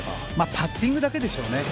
パッティングだけでしょうね。